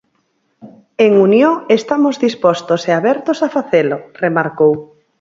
En Unió, estamos dispostos e abertos a facelo, remarcou.